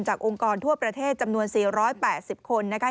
องค์กรทั่วประเทศจำนวน๔๘๐คนนะคะ